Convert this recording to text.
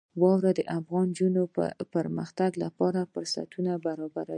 واوره د افغان نجونو د پرمختګ لپاره فرصتونه برابروي.